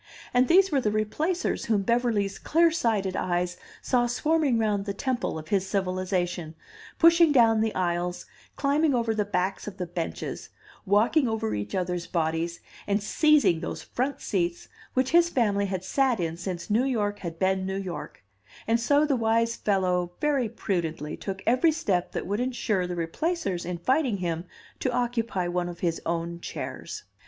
And these were the Replacers whom Beverly's clear sighted eyes saw swarming round the temple of his civilization, pushing down the aisles, climbing over the backs of the benches, walking over each other's bodies, and seizing those front seats which his family had sat in since New York had been New York; and so the wise fellow very prudently took every step that would insure the Replacers' inviting him to occupy one of his own chairs.